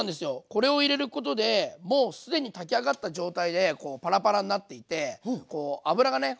これを入れることでもう既に炊き上がった状態でパラパラになっていて油がね